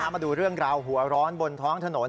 มาดูเรื่องราวหัวร้อนบนท้องถนน